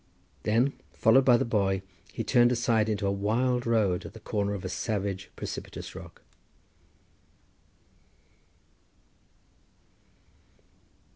Then followed by the boy he turned aside into a wild road at the corner of a savage, precipitous rock.